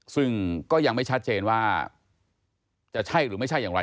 ซึ่งก็ยังไม่ชัดเจนว่าจะใช่หรือไม่ใช่อย่างไร